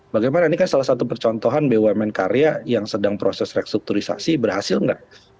bagaimana ini kan salah satu percontohan bumn karya yang sedang proses restrukturisasi berhasil nggak